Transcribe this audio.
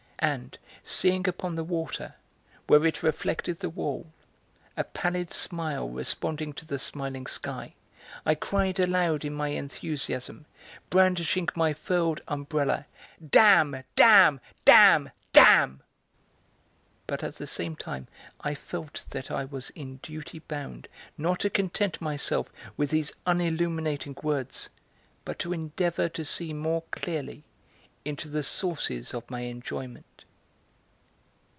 And, seeing upon the water, where it reflected the wall, a pallid smile responding to the smiling sky, I cried aloud in my enthusiasm, brandishing my furled umbrella: "Damn, damn, damn, damn!" But at the same time I felt that I was in duty bound not to content myself with these unilluminating words, but to endeavour to see more clearly into the sources of my enjoyment.